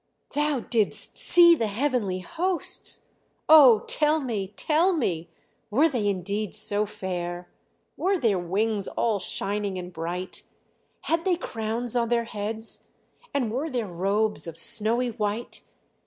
"Thou didst see the heavenly hosts! Oh, tell me! Tell me! Were they indeed so fair? were their wings all shining and bright? had they crowns on their heads? And were their robes of snowy white?